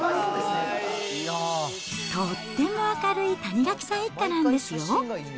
とっても明るい谷垣さん一家なんですよ。